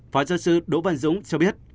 phó giáo sư đỗ văn dũng cho biết